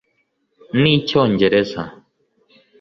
n’icyongereza